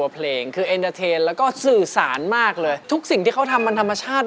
ว่านี่คือมารยาทของน้องนะครับคุณผู้ชม